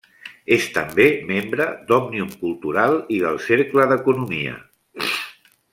És també membre d'Òmnium Cultural i del Cercle d'Economia.